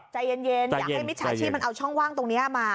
ใจเย็นอยากให้มิจฉาชีพมันเอาช่องว่างตรงนี้มา